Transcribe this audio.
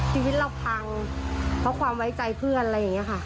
ชีวิตเราพังเพราะความไว้ใจเพื่อนอะไรอย่างนี้ค่ะ